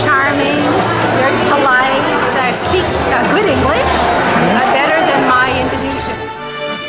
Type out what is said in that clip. saya berbicara bahasa inggris yang baik lebih baik daripada penduduk indonesia saya